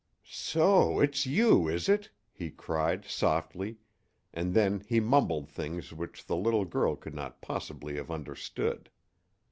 "So it's you, is it?" he cried, softly; and then he mumbled things which the little girl could not possibly have understood.